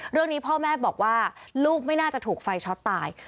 เรื่องนี้พ่อแม่บอกว่าลูกไม่น่าจะถูกไฟช็อตตาย